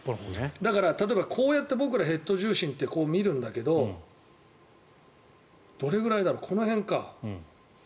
だから、例えばこうやって僕らヘッド重心って見るんだけどどれぐらいだろう、この辺か。